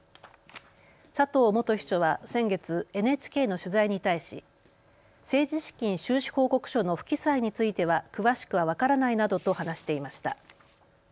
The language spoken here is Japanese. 佐藤元秘書は先月、ＮＨＫの取材に対し政治資金収支報告書の不記載については詳しくは分からないなどと話していました。